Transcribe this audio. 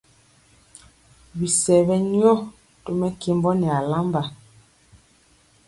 Bisɛ ɓɛ nyɔ to mɛkembɔ nɛ alamba.